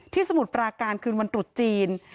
สมุทรปราการคืนวันตรุษจีน